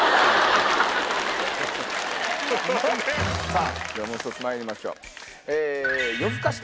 さぁもう１つまいりましょう。